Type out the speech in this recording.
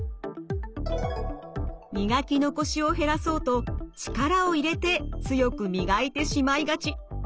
磨き残しを減らそうと力を入れて強く磨いてしまいがち。